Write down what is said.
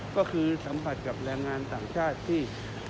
ก็คือสัมผัสกับแรงงานต่างชาติที่